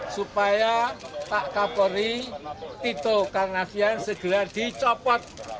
supaya pak kapolri tito karnavian segera dicopot